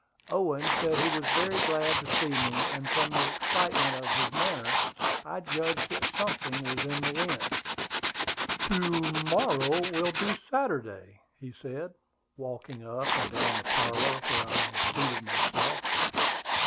Owen said he was very glad to see me; and from the excitement of his manner, I judged that something was in the wind. "To morrow will be Saturday," said he, walking up and down the parlor where I had seated myself.